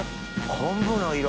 昆布の色。